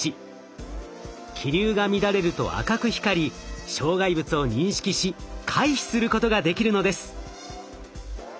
気流が乱れると赤く光り障害物を認識し回避することができるのです。